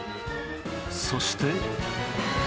そして。